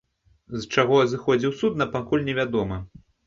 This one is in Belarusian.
З чаго зыходзіў суд, нам пакуль невядома.